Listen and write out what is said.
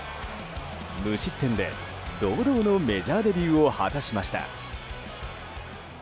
無失点で堂々のメジャーデビューを果たしました。